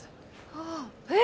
ああえっ？